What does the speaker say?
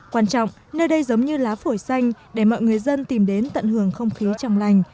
quan trọng nơi đây giống như lá phổi xanh để mọi người dân tìm đến tận hưởng không khí trong lành